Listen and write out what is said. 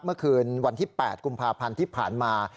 เมื่อคืนวันที่๘กุมภาพันธ์ที่ผ่านมา